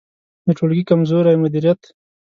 د ټولګي کمزوری مدیریت